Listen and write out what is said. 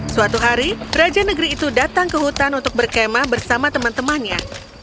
suatu hari raja negeri itu datang ke hutan untuk berkema bersama teman temannya